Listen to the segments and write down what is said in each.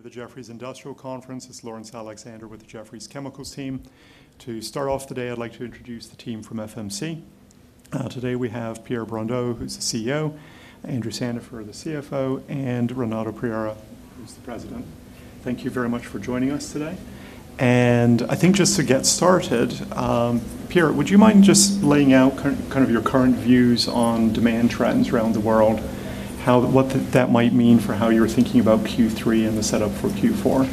Of the Jefferies Industrial Conference. This is Laurence Alexander with the Jefferies Chemicals team. To start off today, I'd like to introduce the team from FMC. Today we have Pierre Brondeau, who's the CEO, Andrew Sandifer, the CFO, and Ronaldo Pereira, who's the President. Thank you very much for joining us today. I think just to get started, Pierre, would you mind just laying out kind of your current views on demand trends around the world, what that might mean for how you're thinking about Q3 and the setup for Q4?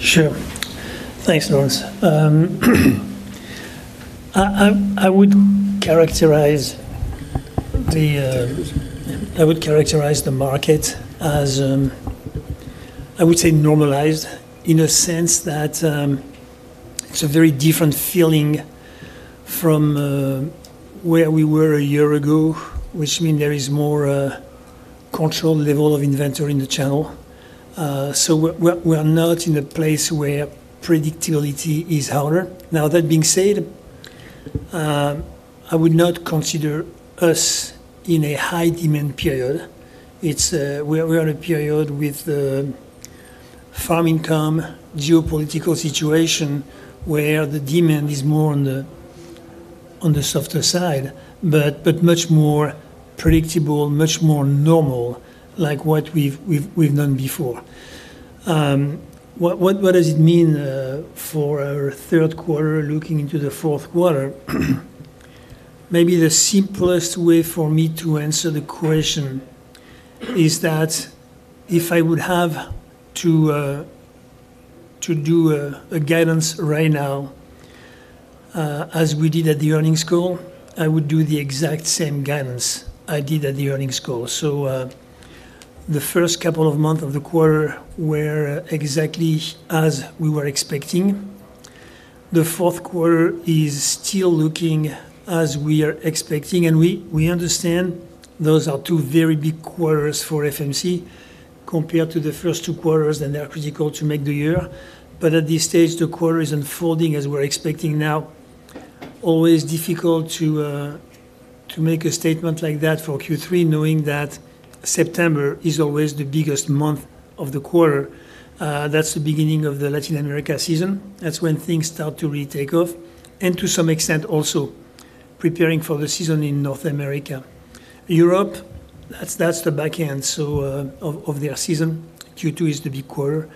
Sure. Thanks, Laurence. I would characterize the market as, I would say, normalized in a sense that it's a very different feeling from where we were a year ago, which means there is more control level of inventory in the channel. We're not in a place where predictability is harder. That being said, I would not consider us in a high demand period. We're in a period with farm income, geopolitical situation where the demand is more on the softer side, but much more predictable, much more normal, like what we've done before. What does it mean for our third quarter looking into the fourth quarter? Maybe the simplest way for me to answer the question is that if I would have to do a guidance right now, as we did at the earnings call, I would do the exact same guidance I did at the earnings call. The first couple of months of the quarter were exactly as we were expecting. The fourth quarter is still looking as we are expecting, and we understand those are two very big quarters for FMC compared to the first two quarters, and they're critical to make the year. At this stage, the quarter is unfolding as we're expecting. Always difficult to make a statement like that for Q3, knowing that September is always the biggest month of the quarter. That's the beginning of the Latin America season. That's when things start to really take off. To some extent, also preparing for the season in North America. Europe, that's the back end of their season. Q2 is the big quarter.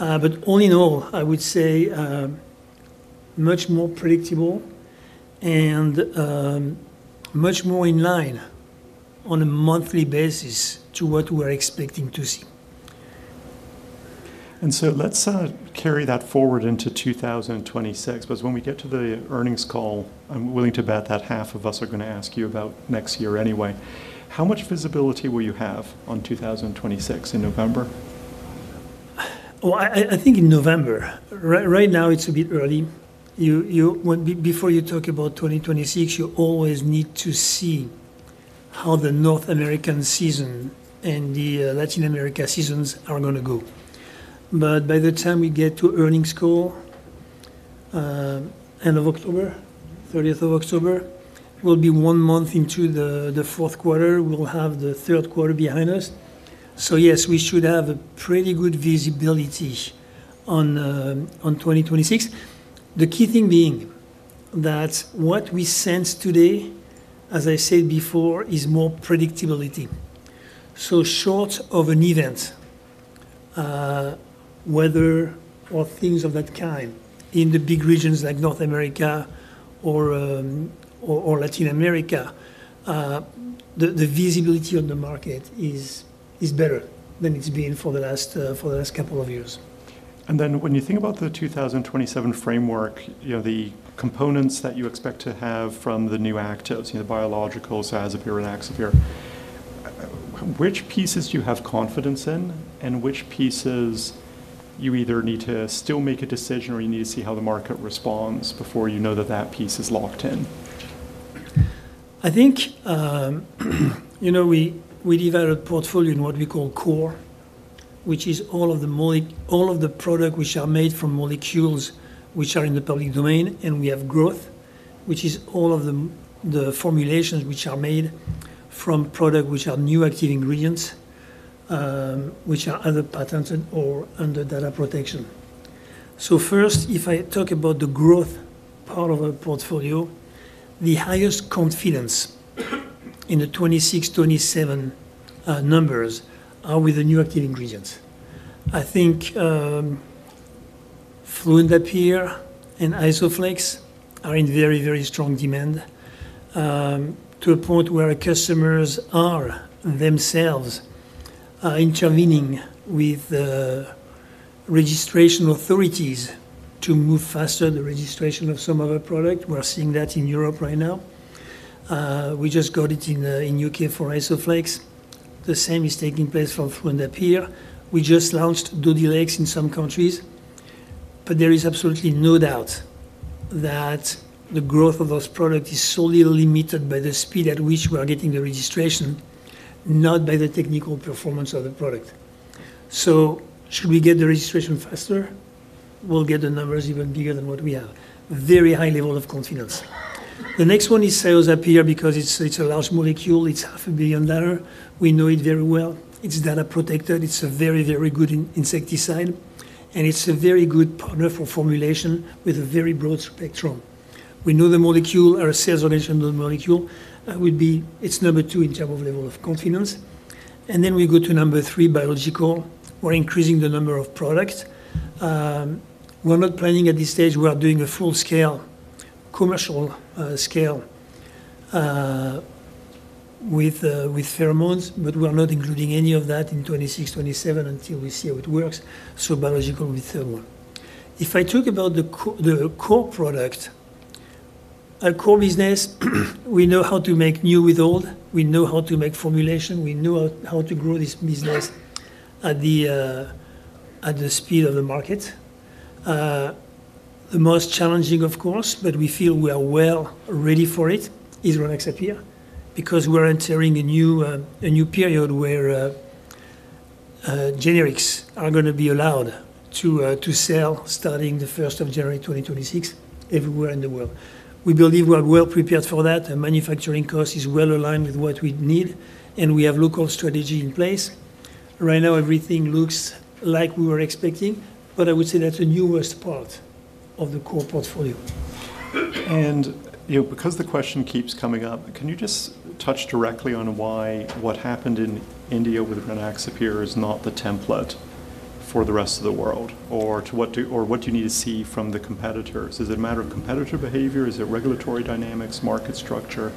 All in all, I would say much more predictable and much more in line on a monthly basis to what we're expecting to see. Let's carry that forward into 2026, because when we get to the earnings call, I'm willing to bet that half of us are going to ask you about next year anyway. How much visibility will you have on 2026 in November? I think in November, right now it's a bit early. Before you talk about 2026, you always need to see how the North American season and the Latin America seasons are going to go. By the time we get to earnings call, end of October, 30th of October, we'll be one month into the fourth quarter. We'll have the third quarter behind us. Yes, we should have pretty good visibility on 2026. The key thing being that what we sense today, as I said before, is more predictability. Short of an event, weather or things of that kind in the big regions like North America or Latin America, the visibility on the market is better than it's be`en for the last couple of years. When you think about the 2027 framework, the components that you expect to have from the new actives, Biologicals, Cyazypyr and Rynaxypr, which pieces do you have confidence in and which pieces do you either need to still make a decision on or need to see how the market responds before you know that piece is locked in? I think, you know, we developed a portfolio in what we call core, which is all of the products which are made from molecules which are in the public domain, and we have growth, which is all of the formulations which are made from products which are new active ingredients, which are either patented or under data protection. First, if I talk about the growth part of our portfolio, the highest confidence in the 2026-2027 numbers are with the new active ingredients. I think fluindapyr and Isoflex are in very, very strong demand to a point where customers are themselves intervening with the registration authorities to move faster the registration of some other product. We're seeing that in Europe right now. We just got it in the U.K. for Isoflex. The same is taking place for fluindapyr. We just launched Dodhylex in some countries. There is absolutely no doubt that the growth of those products is solely limited by the speed at which we're getting the registration, not by the technical performance of the product. Should we get the registration faster, we'll get the numbers even bigger than what we have. Very high level of confidence. The next one is Cyazypyr because it's a large molecule. It's $0.5 billion. We know it very well. It's data protected. It's a very, very good insecticide. It's a very good partner for formulation with a very broad spectrum. We know the molecule or a sales-oriented molecule would be its number two in terms of level of confidence. Then we go to number three, Biologicals. We're increasing the number of products. We're not planning at this stage. We're doing a full scale, commercial scale with pheromones, but we're not including any of that in 2026-2027 until we see how it works. Biological with pheromones. If I talk about the core product, our core business, we know how to make new with old. We know how to make formulation. We know how to grow this business at the speed of the market. The most challenging, of course, but we feel we are well ready for it, is Rynaxypyr because we're entering a new period where generics are going to be allowed to sell starting the 1st of January 2026 everywhere in the world. We believe we're well prepared for that. The manufacturing cost is well aligned with what we need, and we have local strategy in place. Right now, everything looks like we were expecting, but I would say that's the newest part of the core portfolio. Because the question keeps coming up, can you just touch directly on why what happened in India with Rynaxpyr is not the template for the rest of the world? What do you need to see from the competitors? Is it a matter of competitor behavior? Is it regulatory dynamics, market structure?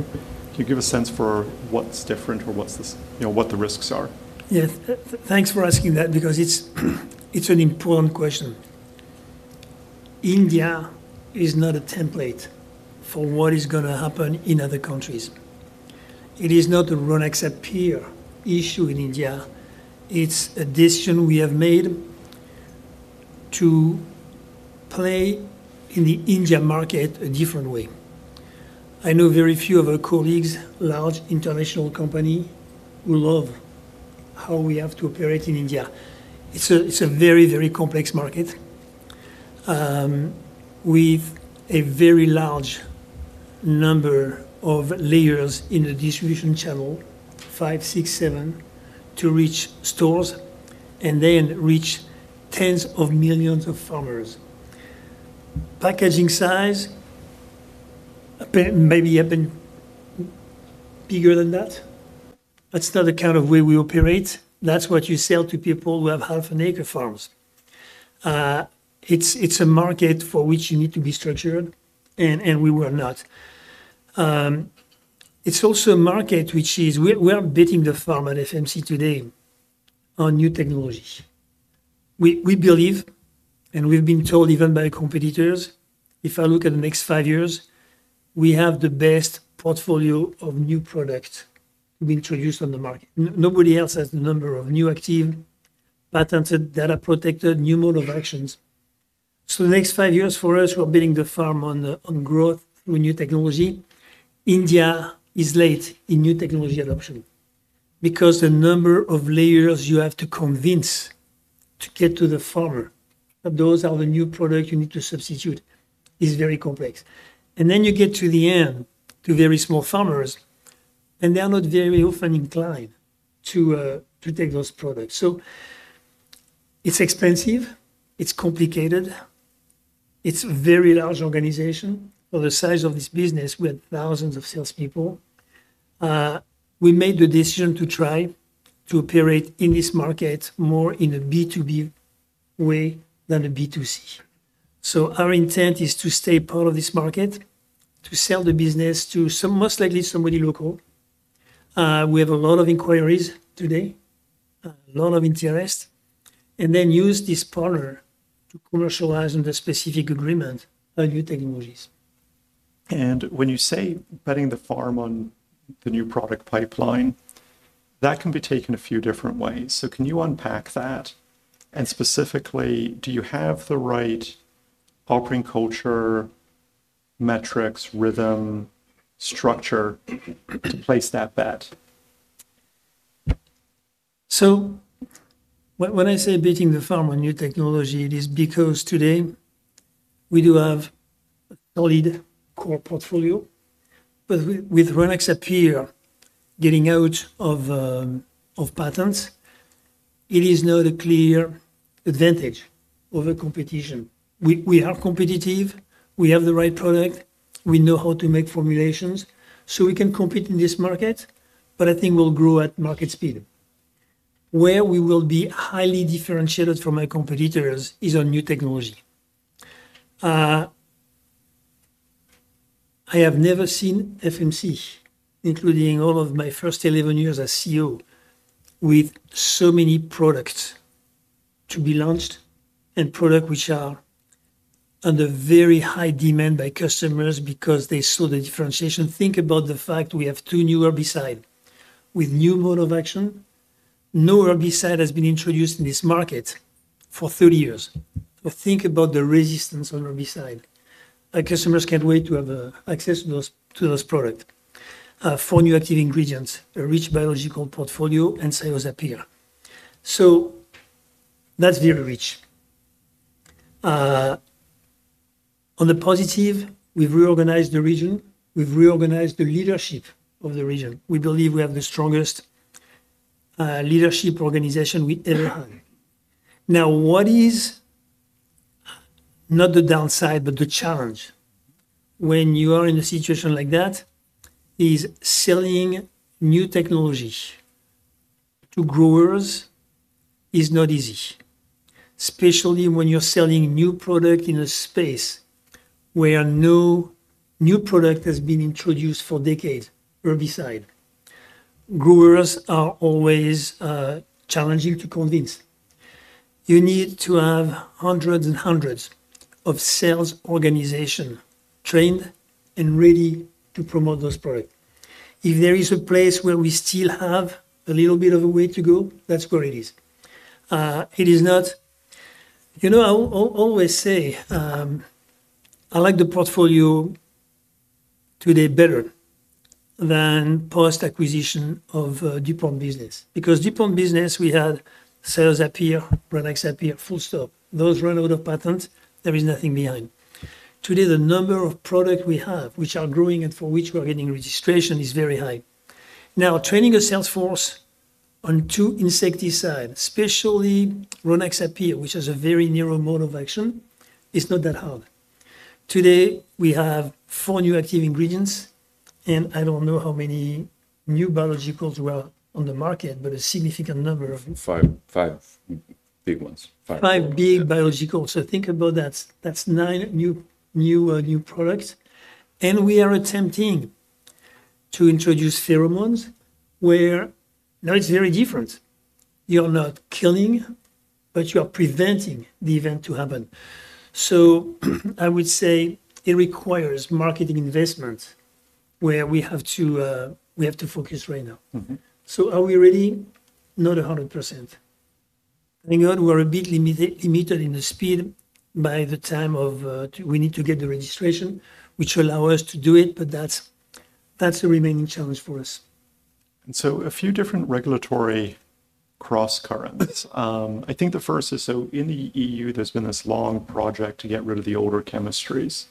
Can you give a sense for what's different or what the risks are? Yes, thanks for asking that because it's an important question. India is not a template for what is going to happen in other countries. It is not the Rynaxypyr issue in India. It's a decision we have made to play in the Indian market a different way. I know very few of our colleagues, large international companies, who love how we have to operate in India. It's a very, very complex market with a very large number of layers in the distribution channel, five, six, seven, to reach stores and then reach tens of millions of farmers. Packaging size may be bigger than that. That's not the kind of way we operate. That's what you sell to people who have half an acre farms. It's a market for which you need to be structured, and we were not. It's also a market which is we're betting the farm at FMC today on new technologies. We believe, and we've been told even by competitors, if I look at the next five years, we have the best portfolio of new products we introduced on the market. Nobody else has the number of new active, patented, data protected, new mode of actions. The next five years for us, we're betting the farm on growth with new technology. India is late in new technology adoption because the number of layers you have to convince to get to the farmer that those are the new products you need to substitute is very complex. You get to the end to very small farmers, and they're not very often inclined to take those products. It's expensive. It's complicated. It's a very large organization for the size of this business with thousands of salespeople. We made the decision to try to operate in this market more in a B2B way than a B2C. Our intent is to stay part of this market, to sell the business to most likely somebody local. We have a lot of inquiries today, a lot of interest, and then use this partner to commercialize under specific agreement on new technologies. When you say betting the farm on the new product pipeline, that can be taken a few different ways. Can you unpack that? Specifically, do you have the right operating culture, metrics, rhythm, structure to place that bet? When I say betting the farm on new technology, it is because today we do have a solid core portfolio. With Rynaxypr getting out of patents, it is not a clear advantage over competition. We are competitive. We have the right product. We know how to make formulations. We can compete in this market, but I think we'll grow at market speed. Where we will be highly differentiated from our competitors is on new technology. I have never seen FMC, including all of my first 11 years as CEO, with so many products to be launched and products which are under very high demand by customers because they saw the differentiation. Think about the fact we have two new herbicides with new mode of action. No herbicide has been introduced in this market for 30 years. Think about the resistance on herbicide. Our customers can't wait to have access to those products. Four new active ingredients, a rich biological portfolio, and Cyazypyr. That is very rich. On the positive, we've reorganized the region. We've reorganized the leadership of the region. We believe we have the strongest leadership organization we ever had. Now, what is not the downside, but the challenge when you are in a situation like that is selling new technology to growers is not easy, especially when you're selling new products in a space where no new product has been introduced for decades, herbicide. Growers are always challenging to convince. You need to have hundreds and hundreds of sales organizations trained and ready to promote those products. If there is a place where we still have a little bit of a way to go, that's where it is. I always say I like the portfolio today better than past acquisition of DuPont business because DuPont business, we had Cyzaypyr, Rynaxypr, full stop. Those run out of patents. There is nothing behind. Today, the number of products we have, which are growing and for which we are getting registration, is very high. Training a sales force on two insecticides, especially Rynaxypr, which has a very narrow mode of action, is not that hard. Today, we have four new active ingredients, and I don't know how many new biologicals were on the market, but a significant number of. Five big ones. Five big biologicals. Think about that. That's nine new products. We are attempting to introduce pheromones where now it's very different. You're not killing, but you are preventing the event to happen. I would say it requires marketing investments where we have to focus right now. Are we ready? Not 100%. Hang on. We're a bit limited in the speed by the time we need to get the registration, which will allow us to do it, but that's a remaining challenge for us. There are a few different regulatory cross-currents. I think the first is, in the EU, there's been this long project to get rid of the older chemistries.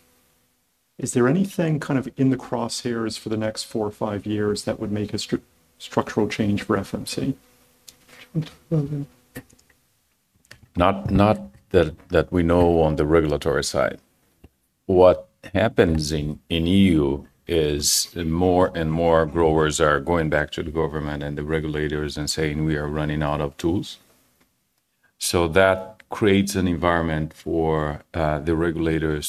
Is there anything in the crosshairs for the next four or five years that would make a structural change for FMC? Not that we know on the regulatory side. What happens in the EU is more and more growers are going back to the government and the regulators and saying, "We are running out of tools." That creates an environment for the regulators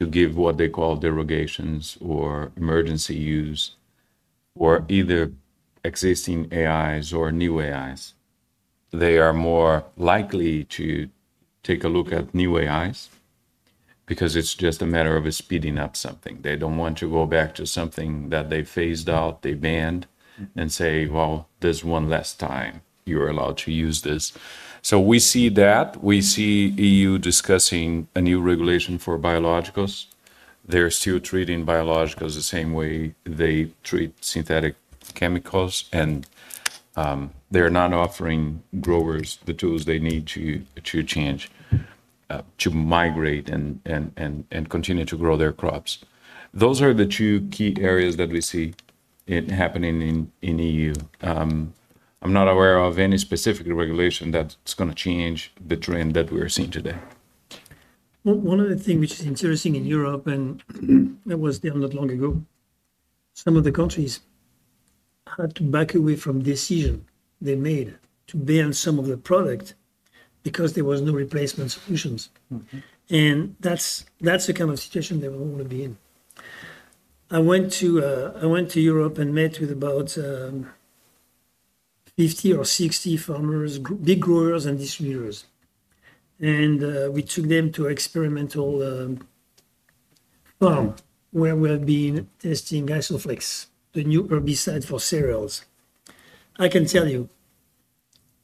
to give what they call derogations or emergency use for either existing active ingredients or new active ingredients. They are more likely to take a look at new active ingredients because it's just a matter of speeding up something. They don't want to go back to something that they phased out, they banned, and say, "There's one last time. You're allowed to use this." We see that. We see the EU discussing a new regulation for biologicals. They're still treating biologicals the same way they treat synthetic chemicals, and they're not offering growers the tools they need to change, to migrate, and continue to grow their crops. Those are the two key areas that we see happening in the EU. I'm not aware of any specific regulation that's going to change the trend that we are seeing today. One of the things which is interesting in Europe, and that was there not long ago, some of the countries had to back away from decisions they made to ban some of the products because there were no replacement solutions. That's the kind of situation that we want to be in. I went to Europe and met with about 50 or 60 farmers, big growers and distributors. We took them to an experimental farm where we have been testing Isoflex, the new herbicide for cereals. I can tell you,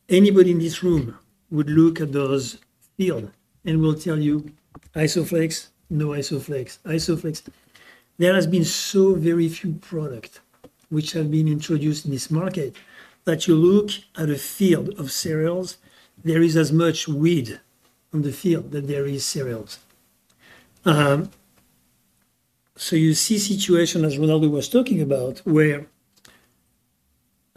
anybody in this room would look at those fields and will tell you, "Isoflex, no Isoflex, Isoflex." There have been so very few products which have been introduced in this market that you look at a field of cereals, there is as much weed on the field that there is cereals. You see a situation as Ronaldo was talking about where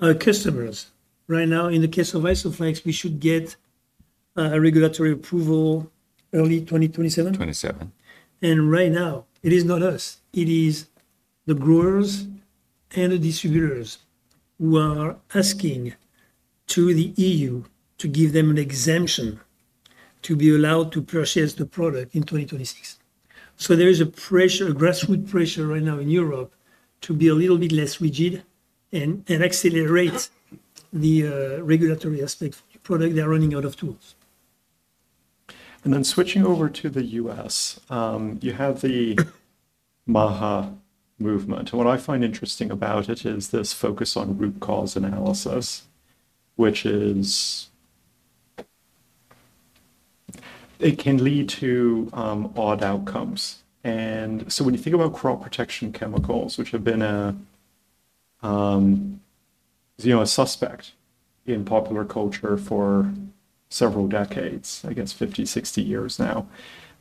our customers right now, in the case of Isoflex, we should get a regulatory approval early 2027. Right now, it is not us. It is the growers and the distributors who are asking to the EU to give them an exemption to be allowed to purchase the product in 2026. There is a pressure, a grassroots pressure right now in Europe to be a little bit less rigid and accelerate the regulatory aspect of the product. They're running out of tools. Switching over to the U.S., you have the MAHA movement. What I find interesting about it is this focus on root cause analysis, which is it can lead to odd outcomes. When you think about crop protection chemicals, which have been a suspect in popular culture for several decades, I guess 50, 60 years now,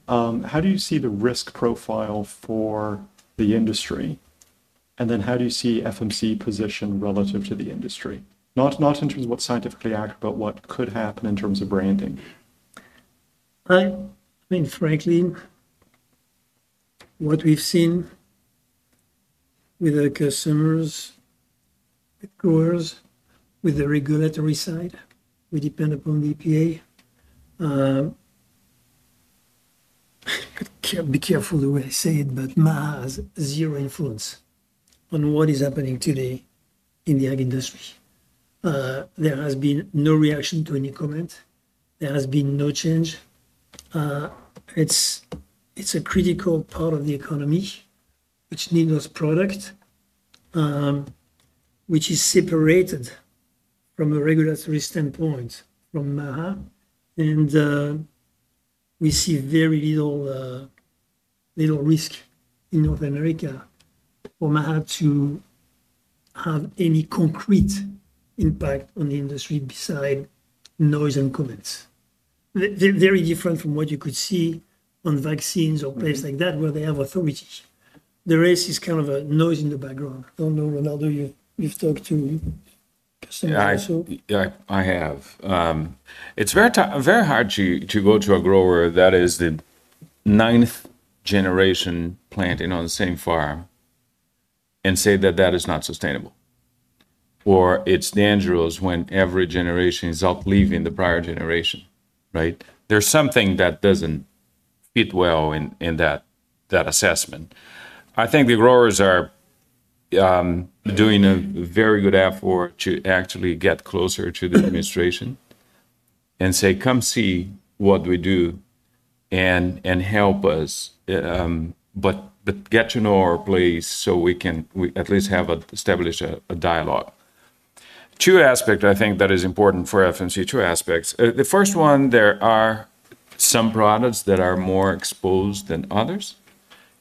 how do you see the risk profile for the industry? How do you see FMC position relative to the industry? Not in terms of what scientifically acts, but what could happen in terms of branding. I think, frankly, what we've seen with our customers, with growers, with the regulatory side, we depend upon the EPA. Be careful the way I say it, but MAHA has zero influence on what is happening today in the ag industry. There has been no reaction to any comment. There has been no change. It's a critical part of the economy which needs those products, which is separated from a regulatory standpoint from MAHA. We see very little risk in North America for MAHA to have any concrete impact on the industry beside noise and comments. They're very different from what you could see on vaccines or places like that where they have authority. The rest is kind of a noise in the background. I don't know, Ronaldo, you've talked to customers. I have. It's very hard to go to a grower that is the ninth generation planted on the same farm and say that that is not sustainable or it's dangerous when every generation is uplifting the prior generation, right? There's something that doesn't fit well in that assessment. I think the growers are doing a very good effort to actually get closer to the administration and say, "Come see what we do and help us, but get to know our place so we can at least have established a dialogue." Two aspects I think that are important for FMC, two aspects. The first one, there are some products that are more exposed than others,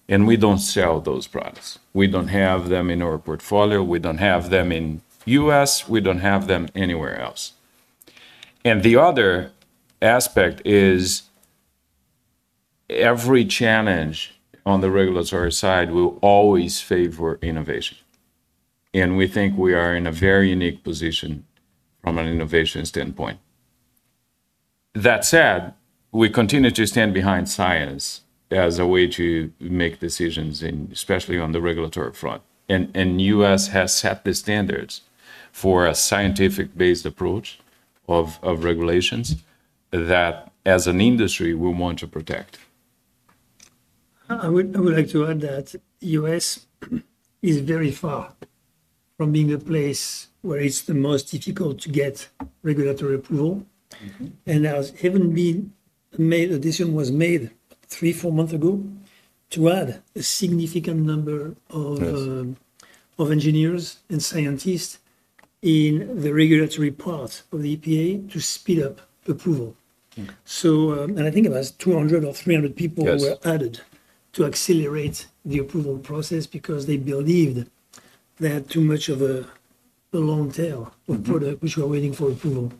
and we don't sell those products. We don't have them in our portfolio. We don't have them in the U.S. We don't have them anywhere else. The other aspect is every challenge on the regulatory side will always favor innovation. We think we are in a very unique position from an innovation standpoint. That said, we continue to stand behind science as a way to make decisions, especially on the regulatory front. The U.S. has set the standards for a scientific-based approach of regulations that, as an industry, we want to protect. I would like to add that the U.S. is very far from being a place where it's the most difficult to get regulatory approval. There has even been a decision that was made three or four months ago to add a significant number of engineers and scientists in the regulatory part of the EPA to speed up approval. I think it was 200 or 300 people who were added to accelerate the approval process because they believed they had too much of a long tail of products which were waiting for approval.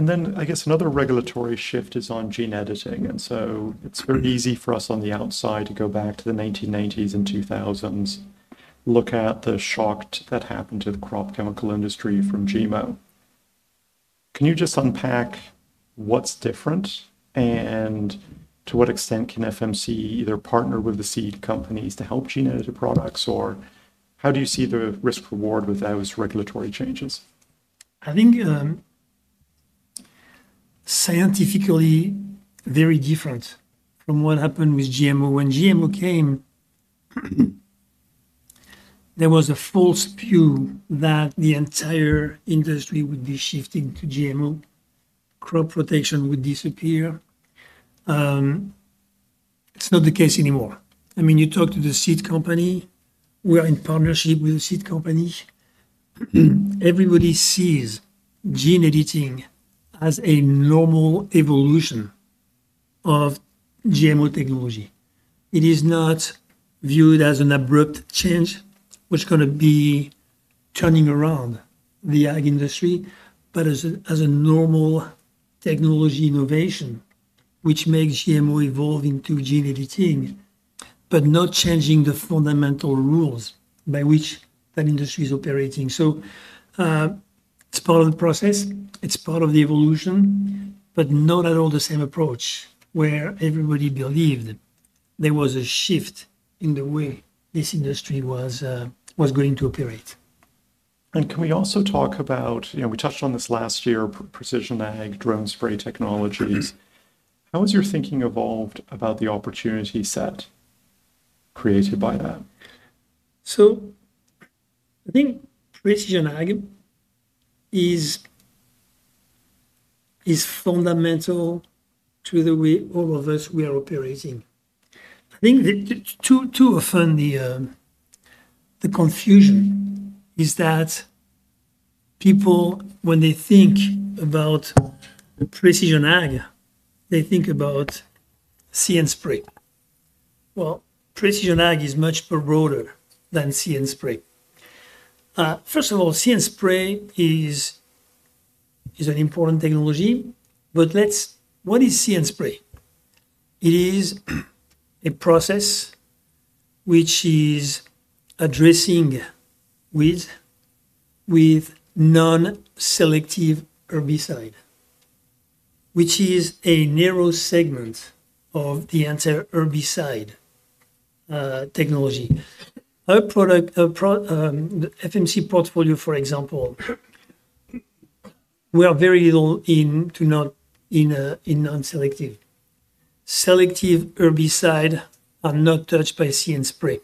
I guess another regulatory shift is on gene editing. It's very easy for us on the outside to go back to the 1990s and 2000s, look at the shock that happened to the crop chemical industry from GMO. Can you just unpack what's different and to what extent can FMC either partner with the seed companies to help gene editing products, or how do you see the risk-reward with those regulatory changes? I think scientifically, very different from what happened with GMO. When GMO came, there was a false view that the entire industry would be shifting to GMO. Crop rotation would disappear. It's not the case anymore. I mean, you talk to the seed company. We're in partnership with the seed company. Everybody sees gene editing as a normal evolution of GMO technology. It is not viewed as an abrupt change which is going to be turning around the ag industry, but as a normal technology innovation which makes GMO evolve into gene editing, but not changing the fundamental rules by which that industry is operating. It's part of the process. It's part of the evolution, not at all the same approach where everybody believed there was a shift in the way this industry was going to operate. Can we also talk about, you know, we touched on this last year, Precision Ag drone- spray technologies? How has your thinking evolved about the opportunity set created by that? I think Precision Ag is fundamental to the way all of us are operating. I think that too often the confusion is that people, when they think about Precision Ag, they think about seed and spray. Precision ag is much broader than seed and spray. First of all, seed and spray is an important technology, but what is seed and spray? It is a process which is addressing weeds with non-selective herbicide, which is a narrow segment of the anti-herbicide technology. Our product, the FMC portfolio, for example, we are very little into non-selective. Selective herbicides are not touched by seed and spray.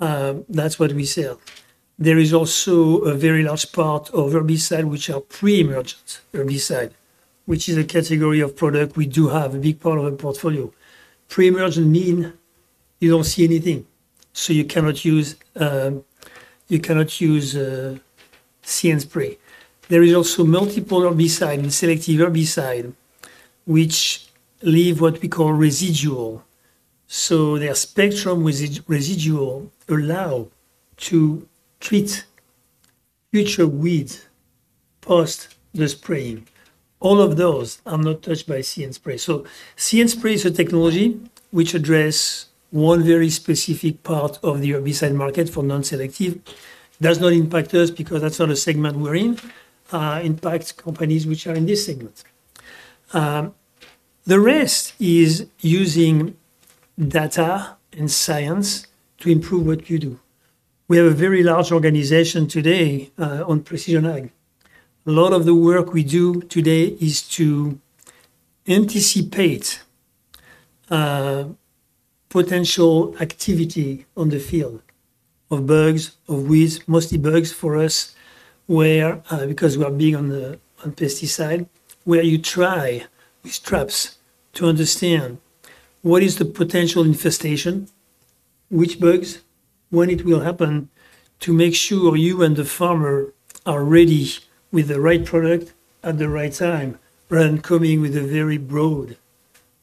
That's what we sell. There is also a very large part of herbicides which are pre-emergent herbicides, which is a category of product we do have a big part of our portfolio. Pre-emergent means you don't see anything, so you cannot use seed and spray. There is also multiple herbicides and selective herbicides which leave what we call residual. Their spectrum residual allows to treat future weeds post the spraying. All of those are not touched by seed and spray. Seed and spray is a technology which addresses one very specific part of the herbicide market for non-selective. It does not impact us because that's not a segment we're in. It impacts companies which are in this segment. The rest is using data and science to improve what you do. We have a very large organization today on precision ag. A lot of the work we do today is to anticipate potential activity on the field of bugs, of weeds, mostly bugs for us, because we're big on pesticides, where you try with straps to understand what is the potential infestation, which bugs, when it will happen, to make sure you and the farmer are ready with the right product at the right time, rather than coming with a very broad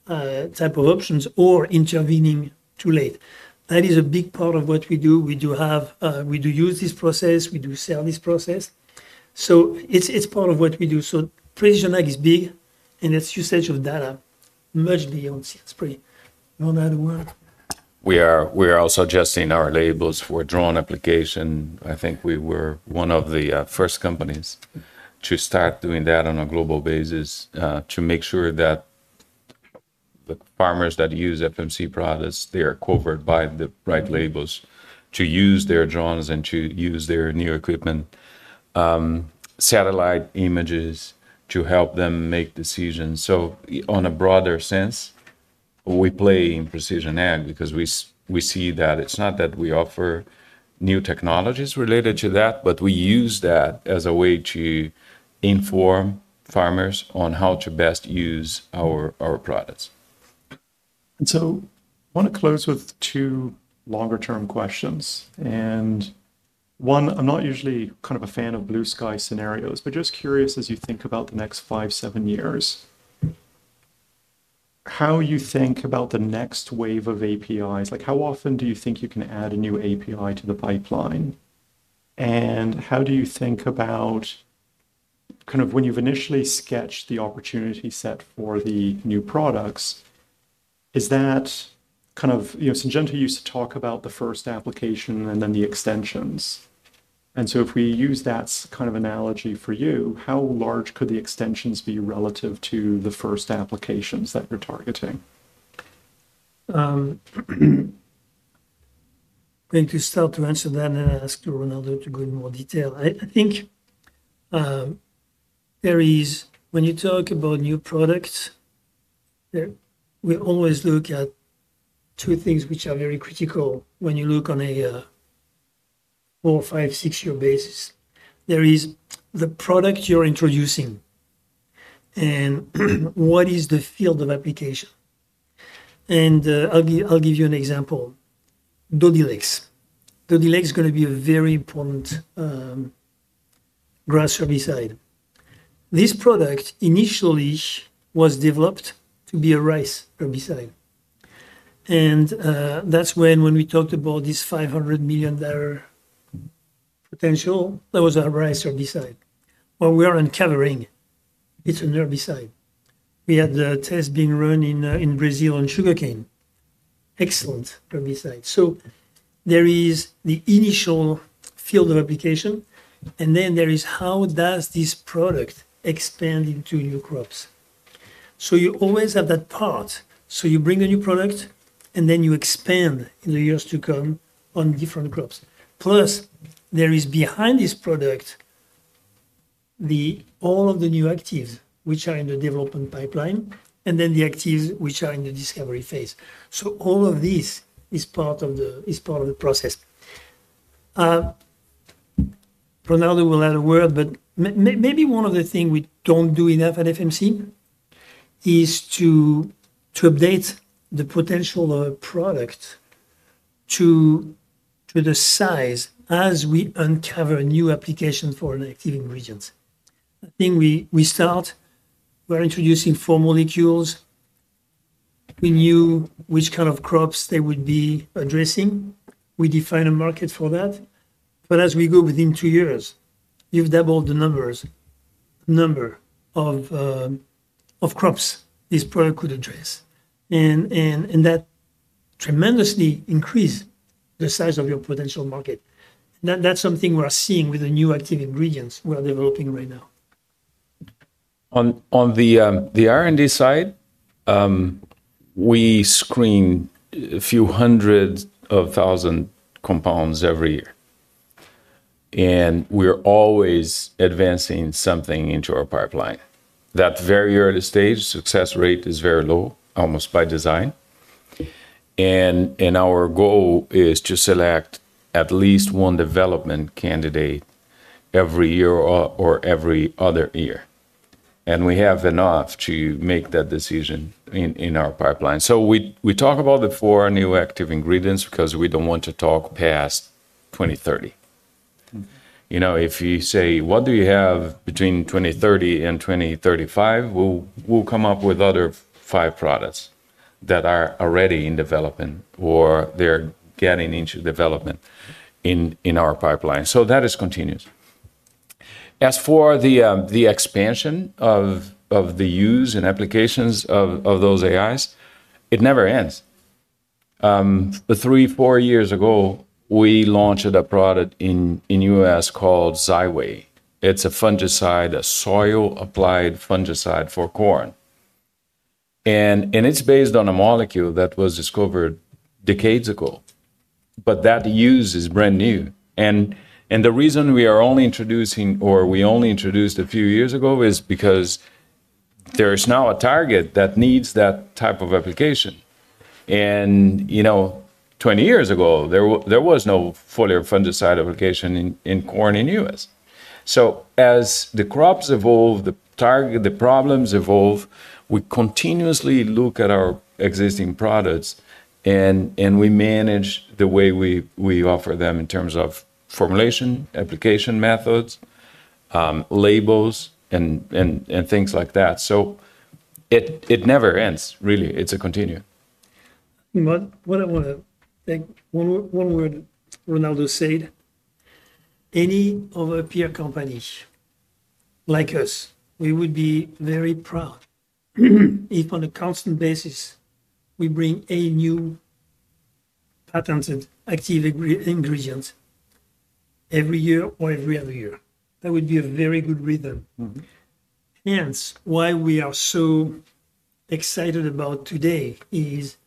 type of options or intervening too late. That is a big part of what we do. We do have, we do use this process. We do sell this process. It's part of what we do. Precision ag is big, and that's usage of data much beyond seed and spray. No matter what. We are also adjusting our labels for drone application. I think we were one of the first companies to start doing that on a global basis to make sure that the farmers that use FMC products are covered by the right labels to use their drones and to use their new equipment, satellite images to help them make decisions. In a broader sense, we play in precision agriculture because we see that it's not that we offer new technologies related to that, but we use that as a way to inform farmers on how to best use our products. I want to close with two longer-term questions. One, I'm not usually kind of a fan of blue-sky scenarios, but just curious as you think about the next five, seven years, how you think about the next wave of active ingredients. How often do you think you can add a new active ingredient to the pipeline? How do you think about when you've initially sketched the opportunity set for the new products? Is that kind of, you know, Syngenta used to talk about the first application and then the extensions. If we use that kind of analogy for you, how large could the extensions be relative to the first applications that you're targeting? Thank you. To answer that and ask Ronaldo to go in more detail, I think there is, when you talk about new products, we always look at two things which are very critical when you look on a four, five, six-year basis. There is the product you're introducing and what is the field of application. I'll give you an example. Dodhylex. Dodhylex is going to be a very important grass herbicide. This product initially was developed to be a rice herbicide. That's when we talked about this $500 million potential. That was a rice herbicide. We are uncovering it's an herbicide. We had the test being run in Brazil on sugarcane. Excellent herbicide. There is the initial field of application, and then there is how does this product expand into new crops. You always have that part. You bring a new product and then you expand in the years to come on different crops. Plus, there is behind this product all of the new actives which are in the development pipeline and then the actives which are in the discovery phase. All of this is part of the process. Ronaldo will add a word, but maybe one of the things we don't do enough at FMC is to update the potential of a product to the size as we uncover new applications for an active ingredient. I think we start, we're introducing four molecules. We knew which kind of crops they would be addressing. We define a market for that. As we go within two years, you've doubled the numbers of crops this product could address, and that tremendously increases the size of your potential market. That's something we're seeing with the new active ingredients we're developing right now. On the R&D side, we screen a few hundred thousand compounds every year. We're always advancing something into our pipeline. That very early stage success rate is very low, almost by design. Our goal is to select at least one development candidate every year or every other year. We have enough to make that decision in our pipeline. We talk about the four new active ingredients because we don't want to talk past 2030. If you say, "What do you have between 2030 and 2035?" we'll come up with another five products that are already in development or they're getting into development in our pipeline. That is continuous. As for the expansion of the use and applications of those active ingredients, it never ends. Three or four years ago, we launched a product in the U.S. called Xyway. It's a fungicide, a soil-applied fungicide for corn. It's based on a molecule that was discovered decades ago, but that use is brand new. The reason we are only introducing, or we only introduced a few years ago, is because there is now a target that needs that type of application. 20 years ago, there was no foliar fungicide application in corn in the U.S. As the crops evolve, the target, the problems evolve, we continuously look at our existing products and we manage the way we offer them in terms of formulation, application methods, labels, and things like that. It never ends, really. It's a continuum. One word, Ronaldo said, any of a peer company like us, we would be very proud if on a constant basis we bring a new patented active ingredient every year or every other year. That would be a very good rhythm. Hence, why we are so excited about today is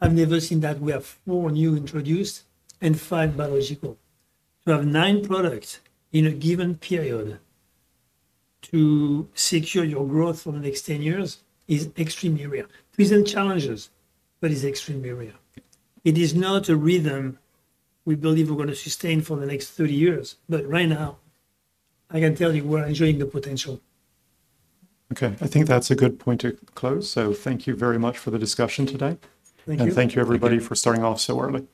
I've never seen that we have four new introduced and five biological. You have nine products in a given period to secure your growth for the next 10 years is extremely rare. Present challenges, but it's extremely rare. It is not a rhythm we believe we're going to sustain for the next 30 years, but right now, I can tell you we're enjoying the potential. Okay, I think that's a good point to close. Thank you very much for the discussion today. Thank you. Thank you, everybody, for starting off so early.